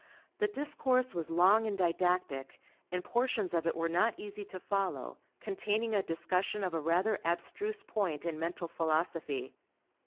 The discourse was long and didactic, and portions of it were not easy to follow, containing a discussion of a rather abstruse point in mental philosophy.